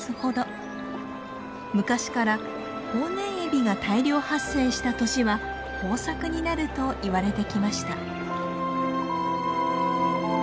昔からホウネンエビが大量発生した年は豊作になるといわれてきました。